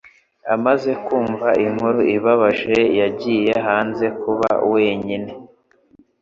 Amaze kumva inkuru ibabaje, yagiye hanze kuba wenyine